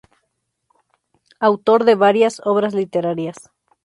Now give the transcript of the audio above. Autor de varias obras literarias.